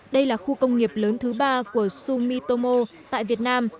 đây là khu công nghiệp lớn thứ ba của sumitomo tại việt nam